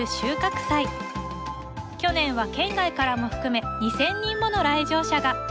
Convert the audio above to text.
去年は県外からも含め２，０００人もの来場者が！